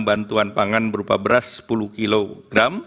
bantuan pangan berupa beras sepuluh kg